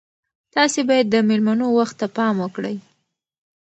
تاسي باید د میلمنو وخت ته پام وکړئ.